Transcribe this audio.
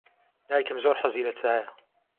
دایکم زۆر حەزی لە چایە.